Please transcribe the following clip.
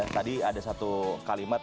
tadi ada satu kalimat